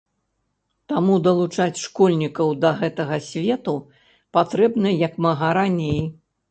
Таму далучаць школьнікаў да гэтага свету патрэбна як мага раней.